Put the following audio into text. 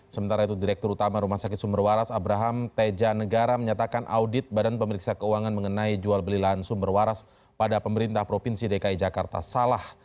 sementara itu direktur utama rumah sakit sumber waras abraham teja negara menyatakan audit badan pemeriksa keuangan mengenai jual beli lahan sumber waras pada pemerintah provinsi dki jakarta salah